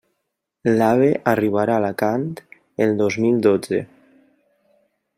L'AVE arribarà a Alacant el dos mil dotze.